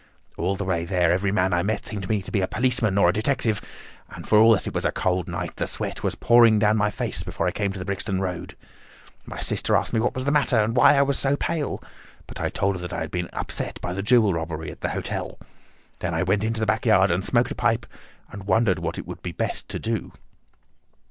All the way there every man I met seemed to me to be a policeman or a detective; and, for all that it was a cold night, the sweat was pouring down my face before I came to the Brixton Road. My sister asked me what was the matter, and why I was so pale; but I told her that I had been upset by the jewel robbery at the hotel. Then I went into the back yard and smoked a pipe and wondered what it would be best to do.